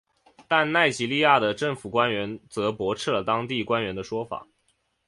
但奈及利亚的政府官员则驳斥了当地官员的说法。